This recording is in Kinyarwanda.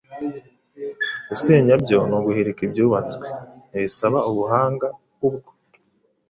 Gusenya byo ni uguhirika ibyubatswe. Ntibisaba ubuhanga ubwo